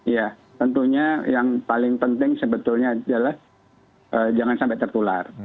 ya tentunya yang paling penting sebetulnya adalah jangan sampai tertular